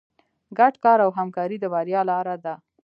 ګډ کار او همکاري د بریا لاره ده.